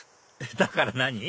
だから何？